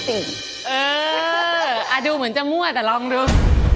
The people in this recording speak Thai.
เออดูเหมือนจะมั่วแต่ลองดู